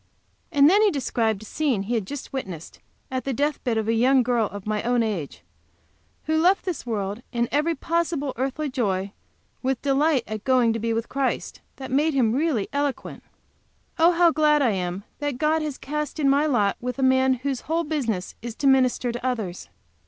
And then he described a scene he had just witnessed at the deathbed of a young girl of my own age, who left this world and every possible earthly joy, with a delight in the going to be with Christ, that made him really eloquent. Oh, how glad I am that God has cast in my lot with a man whose whole business is to minister to others!